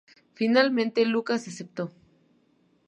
Finalmente Lucas aceptó.